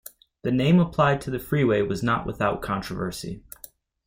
The name applied to the freeway was not without controversy.